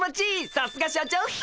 さすが社長っす！